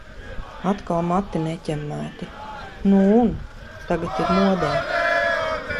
Atkal mati neķemmēti. Nu un! Tagad ir modē.